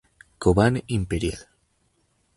Cobán Imperial.